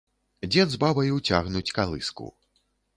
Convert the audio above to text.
Дзед з бабаю цягнуць калыску.